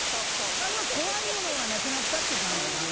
まあでも怖いものはなくなったって感じかな。